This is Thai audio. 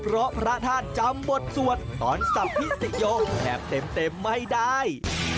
เพราะพระท่านจำบทสวดตอนสับพิสิโยมแทบเต็มไม่ได้